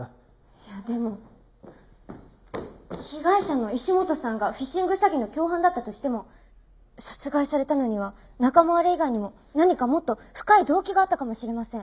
いやでも被害者の石本さんがフィッシング詐欺の共犯だったとしても殺害されたのには仲間割れ以外にも何かもっと深い動機があったかもしれません。